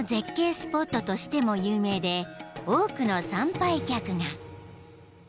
スポットとしても有名で多くの参拝客が］